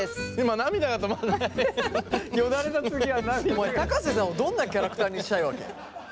お前瀬さんをどんなキャラクターにしたいわけ？